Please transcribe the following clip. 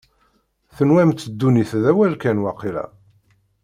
Tenwamt ddunit d awal kan, waqila?